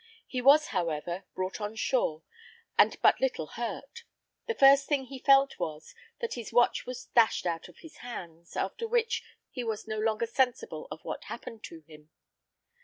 He was, however, brought on shore, and but little hurt; the first thing he felt was, that his watch was dashed out of his hands, after which he was no longer sensible of what happened to him.